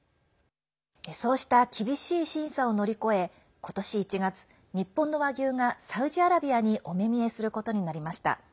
そうした厳しい審査を乗り越え今年１月日本の和牛がサウジアラビアにお目見えすることになりました。